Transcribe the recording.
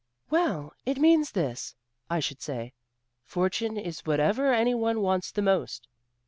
"Well, it means this I should say fortune is whatever anyone wants the most."